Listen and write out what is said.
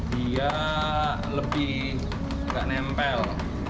dia lebih tidak menempel